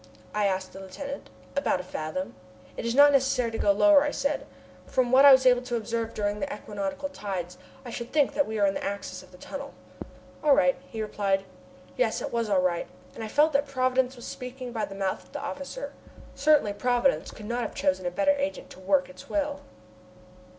I asked the lieutenant. "About a fathom." "It is not necessary to go any lower," I said. "From what I was able to observe during the equinoctial tides, I should think that we are in the axis of the tunnel." "All right," he replied. Yes, it was all right, and I felt that Providence was speaking by the mouth of the officer. Certainly Providence could not have chosen a better agent to work its will.